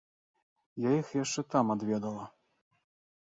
Я іх яшчэ там адведала.